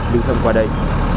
đưa thông qua đây